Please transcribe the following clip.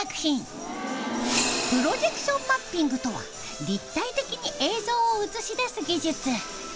プロジェクションマッピングとは立体的に映像を映し出す技術。